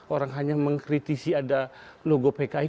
orang hanya mengkritisi ada logo pki